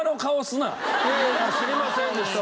いやいやいや知りませんでした